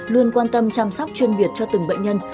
luôn quan tâm chăm sóc chuyên biệt cho từng bệnh nhân